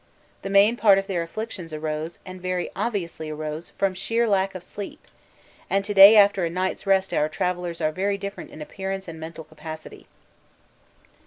The main part of their afflictions arose, and very obviously arose, from sheer lack of sleep, and to day after a night's rest our travellers are very different in appearance and mental capacity.